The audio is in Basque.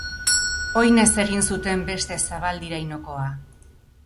Oinez egin zuten beste zabaldirainokoa.